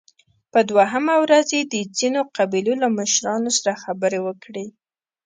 په دوهمه ورځ يې د ځينو قبيلو له مشرانو سره خبرې وکړې